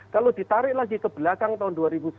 kalau ditarik lagi ke belakang tahun dua ribu sepuluh